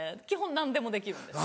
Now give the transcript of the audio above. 何でもできるんですね。